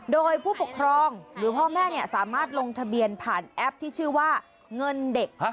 โดยผู้ปกครองหรือพ่อแม่สามารถลงทะเบียนผ่านแอปที่ชื่อว่าเงินเด็ก